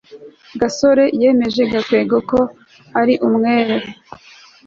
gasore yemeje byoroshye gakwego ko ari umwere